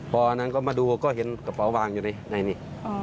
พออันนั้นก็มาดูก็เห็นกระเป๋าวางอยู่ในนี้